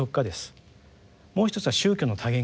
もう一つは宗教の「多元化」です。